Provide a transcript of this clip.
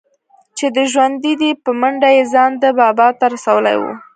چې دى ژوندى دى په منډه يې ځان ده بابا ته رسولى و.